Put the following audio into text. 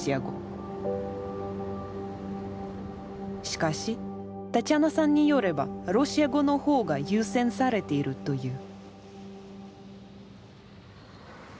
しかしタッチャナさんによればロシア語の方が優先されているという。